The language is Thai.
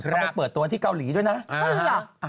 เราไปเปิดตัวที่เกาหลีด้วยนะ